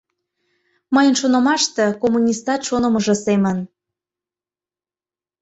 — Мыйын шонымаште, коммунистат шонымыжо семын.